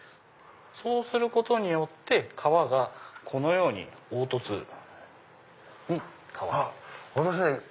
そうすることによって革がこのように凹凸に変わる。